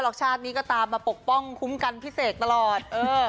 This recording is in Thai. ชาตินี้ก็ตามมาปกป้องคุ้มกันพิเศษตลอด